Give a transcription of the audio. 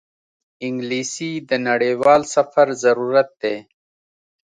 انګلیسي د نړیوال سفر ضرورت دی